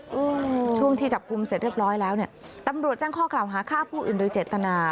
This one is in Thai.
อืมช่วงที่จับกลุ่มเสร็จเรียบร้อยแล้วเนี้ยตำรวจแจ้งข้อกล่าวหาฆ่าผู้อื่นโดยเจตนา